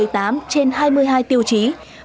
một mươi tám trên hai mươi hai tiêu chí